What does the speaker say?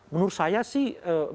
menurut saya sih